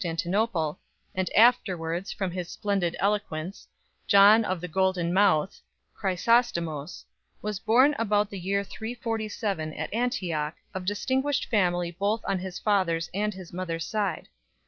tinople, and afterwards, from his splendid eloquence, John of the Golden Mouth^Chrjsostomps, was born about the year 347 at Antioch, of distinguished family both on his father s and his mother s side.